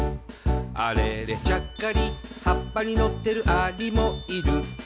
「あれれちゃっかり葉っぱにのってるアリもいる」